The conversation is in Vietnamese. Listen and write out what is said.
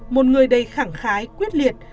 một người đầy khẳng khái quyết liệt